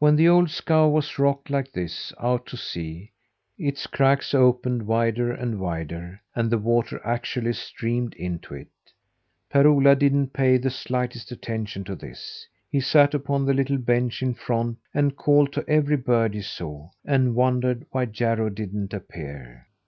When the old scow was rocked like this out to sea its Cracks opened wider and wider, and the water actually streamed into it. Per Ola didn't pay the slightest attention to this. He sat upon the little bench in front and called to every bird he saw, and wondered why Jarro didn't appear.